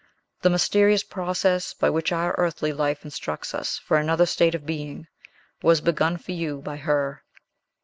The mysterious process, by which our earthly life instructs us for another state of being, was begun for you by her.